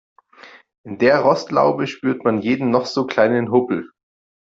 In der Rostlaube spürt man jeden noch so kleinen Hubbel.